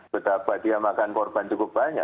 betapa dia makan korban cukup banyak